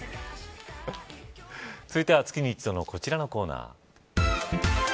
続いては月に一度のこちらのコーナー。